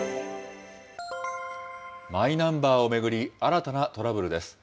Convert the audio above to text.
マイナンバーを巡り、新たなトラブルです。